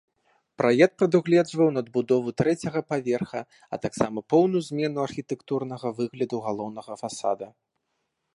Праект прадугледжваў надбудову трэцяга паверха, а таксама поўную змену архітэктурнага выгляду галоўнага фасада.